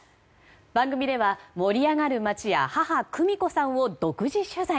番組では盛り上がる街や母・久美子さんを独自取材。